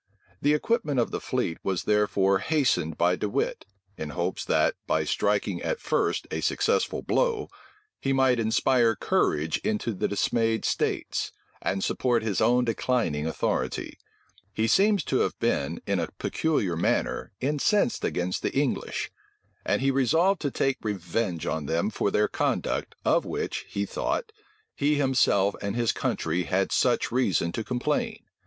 The equipment of the fleet was therefore hastened by De Wit; in hopes that, by striking at first a successful blow, he might inspire courage into the dismayed states, and support his own declining authority. He seems to have been, in a peculiar manner, incensed against the English; and he resolved to take revenge on them for their conduct, of which, he thought, he himself and his country had such reason to complain.